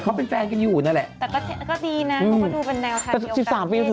แก่ตันหากลับนั่นเอาหรา